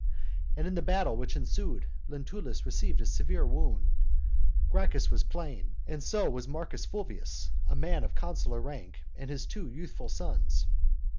and in the battle which ensued, Lentulus received a severe wound, Gracchus was plain, and so was Marcus Fulvius, a man of consular rank, and his two youthful sons.